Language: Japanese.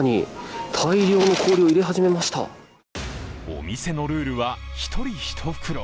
お店のルールは１人１袋。